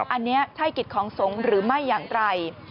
อันนี้ใช่กิจของสงฆ์หรือไม่อย่างไร